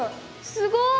すごい！